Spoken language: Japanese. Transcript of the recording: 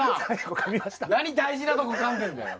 何大事なとこかんでんだよ。